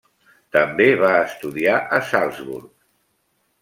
També va estudiar a Salzburg.